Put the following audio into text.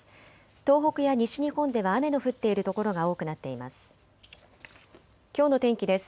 東北や西日本では雨の降っている所が多くなっています。